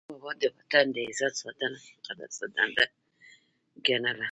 احمدشاه بابا د وطن د عزت ساتنه مقدسه دنده ګڼله.